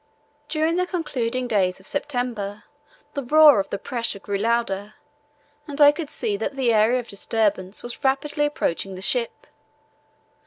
During the concluding days of September the roar of the pressure grew louder, and I could see that the area of disturbance was rapidly approaching the ship.